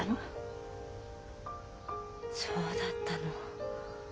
そうだったの。